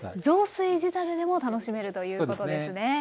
雑炊仕立てでも楽しめるということですね。